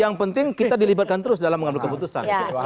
yang penting kita dilibatkan terus dalam mengambil keputusan